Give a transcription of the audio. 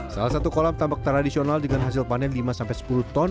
salah satu kolam tambak tradisional dengan hasil panen lima sepuluh ton